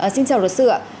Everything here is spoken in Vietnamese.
xin chào luật sư ạ